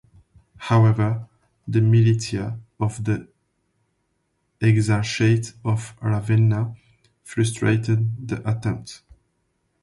However, the militia of the exarchate of Ravenna frustrated the attempt.